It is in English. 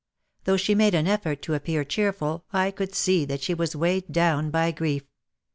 Though she made an effort to appear cheerful I could see that she was weighed down by grief.